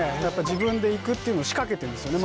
自分で行くっていうのを仕掛けてるんですよね